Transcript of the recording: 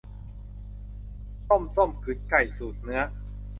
ต้มส้มกึ๋นไก่ สูตรเหนือ